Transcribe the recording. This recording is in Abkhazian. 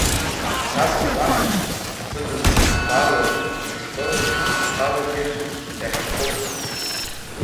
Са сызлаҟам сыдызбало, мышкы, рхалагьы иахьхәып.